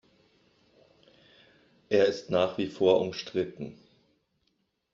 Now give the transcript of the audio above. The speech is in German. Er ist nach wie vor umstritten.